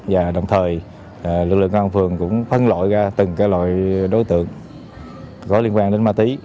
và đồng thời lực lượng cảnh sát điều tra tội phạm cũng phân lội ra từng loại đối tượng có liên quan đến ma túy